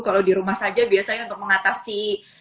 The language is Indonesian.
kalau di rumah saja biasanya untuk mengatasi